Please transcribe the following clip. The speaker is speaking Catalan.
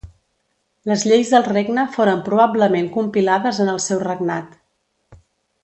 Les lleis del regne foren probablement compilades en el seu regnat.